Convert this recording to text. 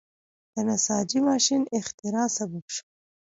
د نساجۍ ماشین اختراع سبب شو.